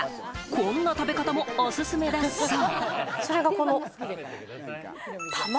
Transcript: こんな食べ方もおすすめだそう。